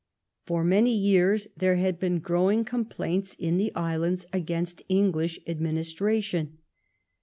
For many years there had been growing complaints in the islands against English administration.